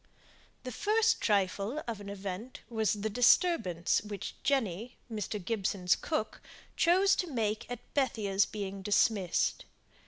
The first "trifle" of an event was the disturbance which Jenny (Mr. Gibson's cook) chose to make at Bethia's being dismissed.